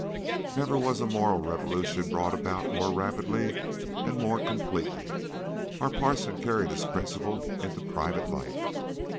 Never was a moral revolution brought about more rapidly and more completely. Our parson carried his principle into private life.